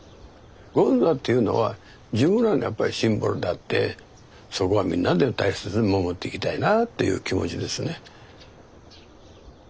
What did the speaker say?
権座っていうのは自分らのやっぱりシンボルであってそこはみんなで大切に守っていきたいなあっていう気持ちですね。